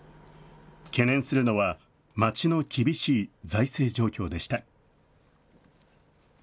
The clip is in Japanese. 懸念するのは、町の厳しい財政状況でした。